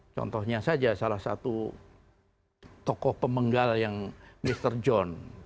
contohnya saja salah satu tokoh pemenggal yang mr john